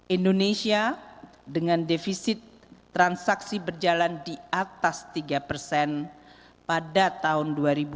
indonesia dengan defisit transaksi berjalan di atas tiga persen pada tahun dua ribu dua puluh